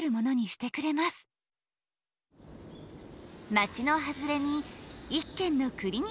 街の外れに一軒のクリニックがある。